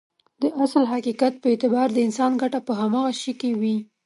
د اصل حقيقت په اعتبار د انسان ګټه په هماغه شي کې وي.